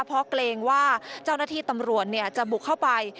เพราะเกรงว่าเจ้าหน้าที่ตำรวจจะบุกเข้าไป